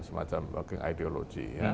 semacam ideologi ya